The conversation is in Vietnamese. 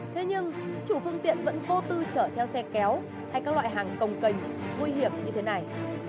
thế nhưng chủ phương tiện vẫn vô tư chở theo xe kéo hay các loại hàng cồng cành nguy hiểm như thế này